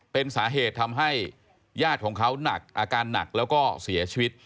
เป็นสาเหตุทำให้ญาติของเขาหนักอาการหนักแล้วก็เสียชีวิต